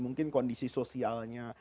mungkin kondisi sosialnya